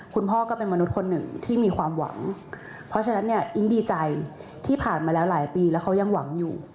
ก็เป็นมนุษย์คนหนึ่งที่มีความหวังเพราะฉะนั้นเนี่ยอิ๊งดีใจที่ผ่านมาแล้วหลายปีแล้วเขายังหวังอยู่